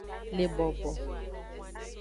Le bobo.